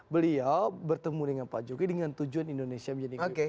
beliau bertemu dengan pak jokowi dengan tujuan indonesia menjadi gubernur